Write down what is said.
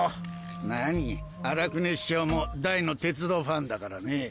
何アラクネ首相も大の鉄道ファンだからね。